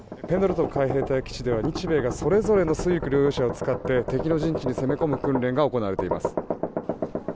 ペンドルトン海兵隊基地では日米がそれぞれの水陸両用車を使って敵の陣地に攻め込む訓練が行われています。